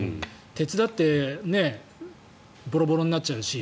鉄だってボロボロになっちゃうし。